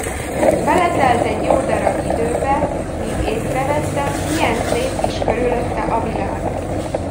Beletelt egy jó darab időbe, míg észrevette, milyen szép is körülötte a világ.